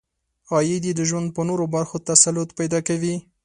عاید یې د ژوند په نورو برخو تسلط پیدا کوي.